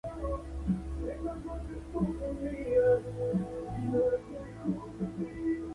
Forma parte de la conocida como Tebaida berciana.